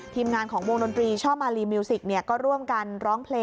ทีมงานของวงดนตรีช่อมาลีมิวสิกก็ร่วมกันร้องเพลง